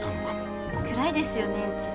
暗いですよねうち。